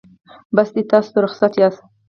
بس دی تاسو رخصت یاست.